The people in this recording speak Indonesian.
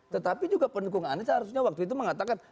tetapi juga pendukung anies seharusnya waktu itu mengatakan